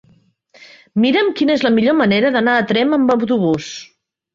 Mira'm quina és la millor manera d'anar a Tremp amb autobús.